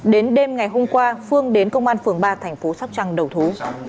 đến đêm ngày hôm qua phương đến công an phường ba thành phố sóc trăng đầu thú